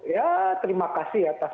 ya terima kasih atas